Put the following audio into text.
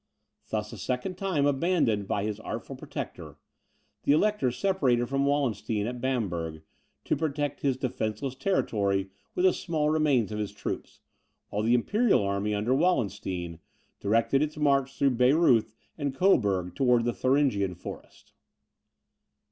Thus a second time abandoned by his artful protector, the Elector separated from Wallenstein at Bamberg, to protect his defenceless territory with the small remains of his troops, while the imperial army, under Wallenstein, directed its march through Bayreuth and Coburg towards the Thuringian Forest.